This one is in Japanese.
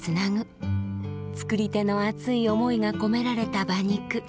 作り手の熱い思いが込められた馬肉。